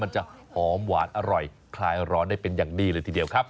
มันจะหอมหวานอร่อยคลายร้อนได้เป็นอย่างดีเลยทีเดียวครับ